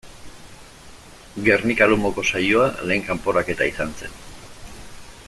Gernika-Lumoko saioa lehen kanporaketa izan zen.